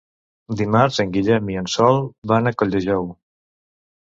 Dimarts en Guillem i en Sol van a Colldejou.